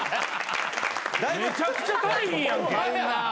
めちゃくちゃ足りひんやんけ。